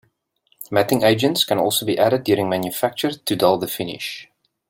Matting agents can also be added during manufacture to dull the finish.